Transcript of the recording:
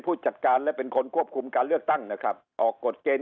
ผู้จัดการและเป็นคนควบคุมการเลือกตั้งนะครับออกกฎเกณฑ์